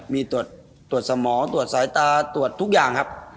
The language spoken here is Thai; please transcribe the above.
มีตรวจสมองตรวจสายตาตรวจทุกอย่างครับ